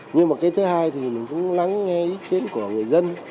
nhưng mà cái thứ hai thì mình cũng lắng nghe ý kiến của người dân